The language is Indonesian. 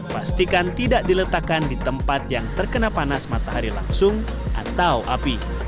pastikan tidak diletakkan di tempat yang terkena panas matahari langsung atau api